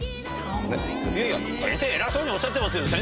いやいや先生偉そうにおっしゃってますけど。